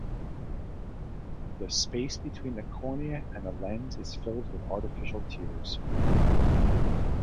The space between the cornea and the lens is filled with artificial tears.